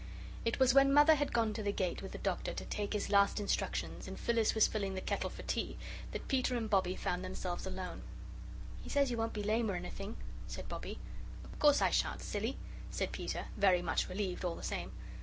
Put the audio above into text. It was when Mother had gone to the gate with the Doctor to take his last instructions and Phyllis was filling the kettle for tea, that Peter and Bobbie found themselves alone. "He says you won't be lame or anything," said Bobbie. "Oh, course I shan't, silly," said Peter, very much relieved all the same.